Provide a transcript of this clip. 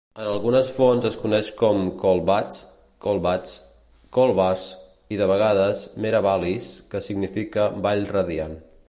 En algunes fonts es coneix com "Colbatz", "Kolbatz", "Colbas" i de vegades "Mera Vallis", que significa "Vall radiant".